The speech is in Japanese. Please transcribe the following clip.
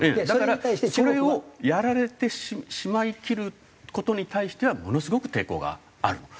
だからそれをやられてしまいきる事に対してはものすごく抵抗がある。